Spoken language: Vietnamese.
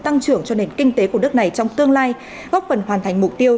tăng trưởng cho nền kinh tế của nước này trong tương lai góp phần hoàn thành mục tiêu